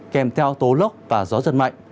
kèm theo tố lốc và gió giật mạnh